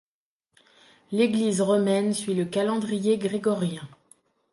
L'Église romaine suit le calendrier grégorien.